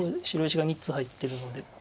白石が３つ入ってるので。